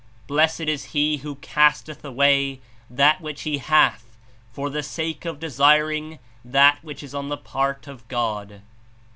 Blessed is he who casteth away that which he hath for the sake of desiring that which is on the part of God.